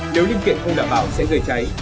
nếu liên kiện không đảm bảo sẽ gây cháy